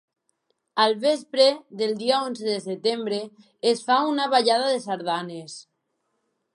Al vespre, del dia onze de setembre, es fa una ballada de sardanes.